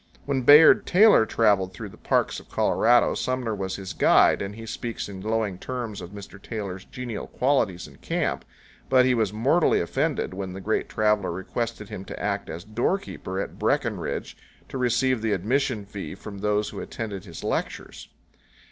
When Bayard Taylor traveled through the parks of Colorado, Sumner was his guide, and he speaks in glowing terms of Mr. Taylor's genial qualities in camp, but he was mortally offended when the great traveler requested him to act as doorkeeper at Breckenridge to receive the admission fee from those who attended his lectures.